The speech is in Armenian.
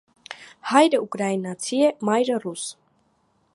Հայրը ուկրաինացի է, մայրը՝ ռուս։